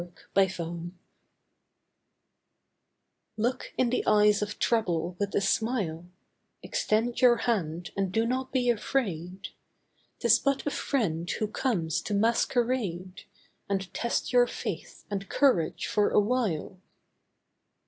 THE MASQUERADE Look in the eyes of trouble with a smile, Extend your hand and do not be afraid. 'Tis but a friend who comes to masquerade. And test your faith and courage for awhile.